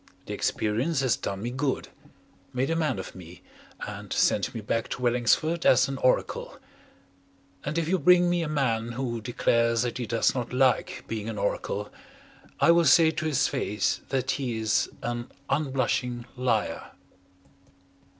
The experience has done me good, made a man of me and sent me back to Wellingsford as an oracle. And if you bring me a man who declares that he does not like being an oracle, I will say to his face that he is an unblushing liar.